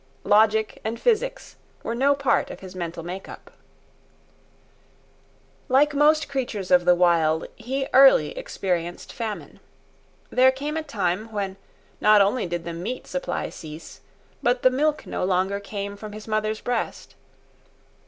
Logic and physics were no part of his mental make up. Like most creatures of the Wild, he early experienced famine. There came a time when not only did the meat supply cease, but the milk no longer came from his mother's breast.